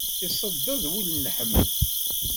Iṣedded wul n Ḥmed.